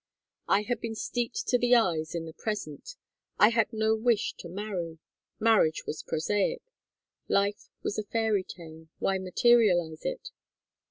I had been steeped to the eyes in the present. I had no wish to marry. Marriage was prosaic. Life was a fairy tale, why materialize it?